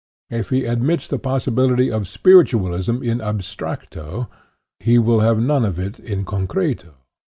If he admits the possibility of spiritualism in abstracto, he will have none of it in concrete.